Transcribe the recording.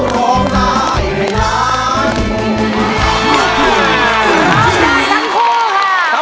ร้องได้ทั้งคู่ค่ะ